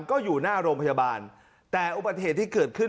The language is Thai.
ก็อยู่หน้าโรงพยาบาลแต่อุบัติเหตุที่เกิดขึ้น